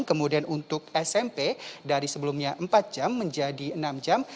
kemudian untuk smp dari sebelumnya empat jam menjadi enam jam